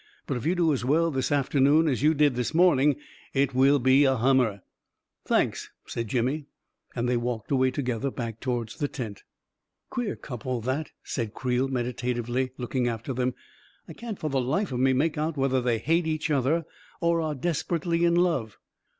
But if you do as well this after noon as you did this morning, it will be a hummer 1 "" Thanks I " said Jimmy, and they walked away together, back toward the tents. "Queer couple that," said Creel meditatively, looking after them. " I can't for the life of me make out whether they hate each other or are des perately in love.